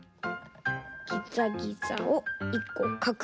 ギザギザを１こかく。